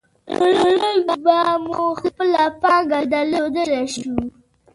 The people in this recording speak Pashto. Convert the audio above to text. نو نن به موږ خپله پانګه درلودلای شو.